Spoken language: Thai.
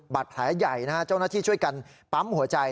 บาดแผลใหญ่นะฮะเจ้าหน้าที่ช่วยกันปั๊มหัวใจ